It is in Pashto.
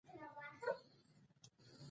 مصر نن یو بېوزله هېواد دی.